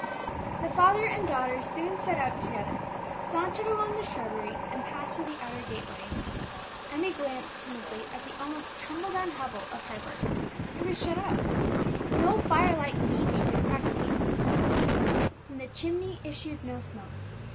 The father and daughter soon set out together, sauntered along the shrubbery, and passed through the outer gateway. Emmie glanced timidly at the almost tumble down hovel of Harper. It was shut up. No firelight gleamed through the cracked panes of the single window, from the chimney issued no smoke.